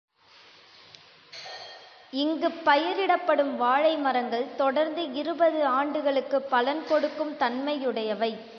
இங்குப் பயிரிடப்படும் வாழை மரங்கள் தொடர்ந்து இருபது ஆண்டுகளுக்குப் பலன் கொடுக்கும் தன்மையுடையவை.